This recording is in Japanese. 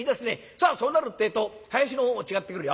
さあそうなるってえと囃子の方も違ってくるよ」。